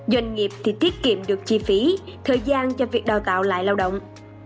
doanh nghiệp thì tiết kiệm được chi phí thời gian cho việc đào tạo lại lao động